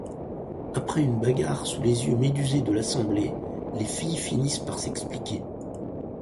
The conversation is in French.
Après une bagarre sous les yeux médusés de l'assemblée, les filles finissent par s'expliquer.